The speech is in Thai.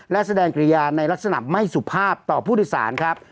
และแสดงกิริยาในลักษณะไม่สุภาพต่อผู้โดยสารครับ